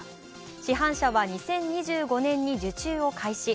市販車は２０２５年に受注を開始。